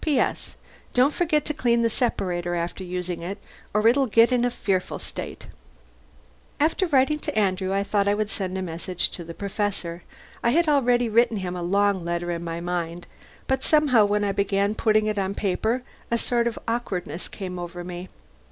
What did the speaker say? P.S. Don't forget to clean the separator after using it, or it'll get in a fearful state. After writing to Andrew I thought I would send a message to the Professor. I had already written him a long letter in my mind, but somehow when I began putting it on paper a sort of awkwardness came over me.